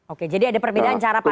oke jadi ada perbedaan cara pak